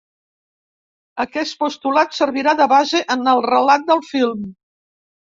Aquest postulat servirà de base en el relat del film.